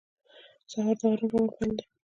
سهار د آرام روان پیل دی.